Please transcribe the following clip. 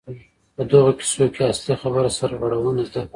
په دغو کیسو کې اصلي خبره سرغړونه ده.